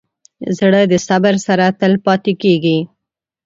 زړه د صبر سره تل پاتې کېږي.